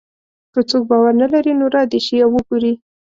که څوک باور نه لري نو را دې شي او وګوري.